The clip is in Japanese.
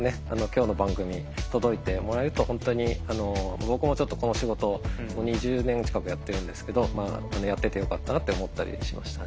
今日の番組届いてもらえると本当に僕もちょっとこの仕事２０年近くやってるんですけどやっててよかったなって思ったりしましたね。